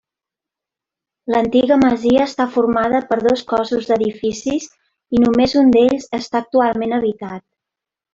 L'antiga masia està formada per dos cossos d'edificis i només un d'ells està actualment habitat.